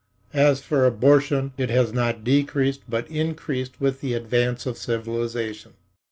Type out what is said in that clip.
As for abortion, it has not decreased but increased with the advance of civilization.